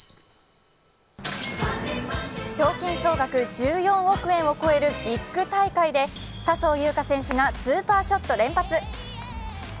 賞金総額１４億円を超えるビッグ大会で笹生優花選手がスーパーショット連発。